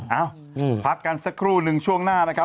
เอ้าพักกันสักครู่นึงช่วงหน้านะครับ